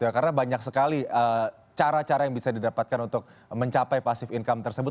karena banyak sekali cara cara yang bisa didapatkan untuk mencapai pasif income tersebut